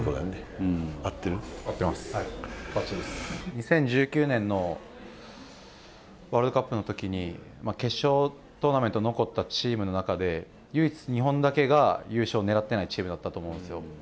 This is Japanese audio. ２０１９年のワールドカップのときに決勝トーナメント残ったチームの中で唯一、日本だけが優勝をねらってないチームだったと思うんですよ。